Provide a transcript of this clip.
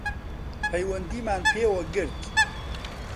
پەیوەندیمان پێوە گرت